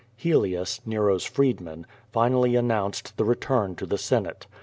Ilelius, Nero's freedman, finally announced the return to the Senate.